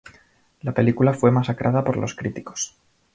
La película fue masacrada por los críticos.